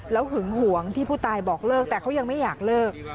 หึงหวงที่ผู้ตายบอกเลิกแต่เขายังไม่อยากเลิก